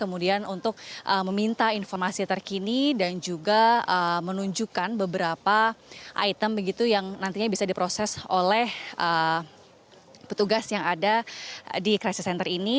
kemudian untuk meminta informasi terkini dan juga menunjukkan beberapa item begitu yang nantinya bisa diproses oleh petugas yang ada di crisis center ini